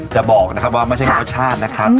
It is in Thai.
จะบอกนะครับว่าไม่ใช่รสชาตินะครับ